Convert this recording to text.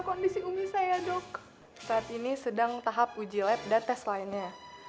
kondisi umum saya dok saat ini sedang tahap uji lab dan tes lainnya